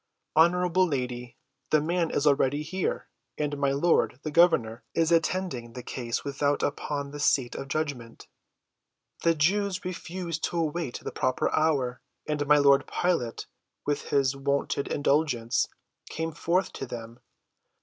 "Honorable lady, the man is already here, and my lord, the governor, is attending the case without upon the seat of judgment. The Jews refused to await the proper hour, and my lord Pilate, with his wonted indulgence, came forth to them.